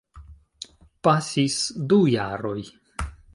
Pasis du jaroj.